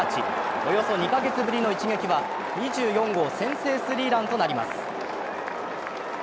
およそ２カ月ぶりの一撃は２４号先制スリーランとなります。